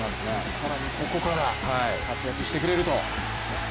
更にここから活躍してくれると。